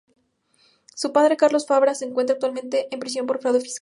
Su padre, Carlos Fabra, se encuentra actualmente en prisión por fraude fiscal.